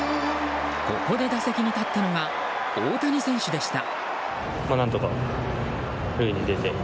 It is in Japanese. ここで打席に立ったのが大谷選手でした。